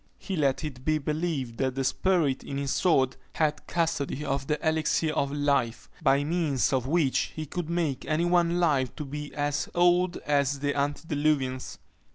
He let it be believed that the spirit in his sword had custody of the elixir of life, by means of which he could make any one live to be as old as the antediluvians.